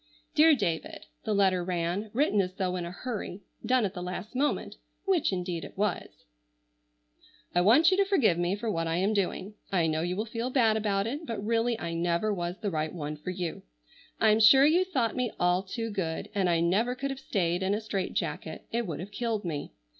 "DEAR DAVID," the letter ran,—written as though in a hurry, done at the last moment,—which indeed it was:— "I want you to forgive me for what I am doing. I know you will feel bad about it, but really I never was the right one for you. I'm sure you thought me all too good, and I never could have stayed in a strait jacket, it would have killed me.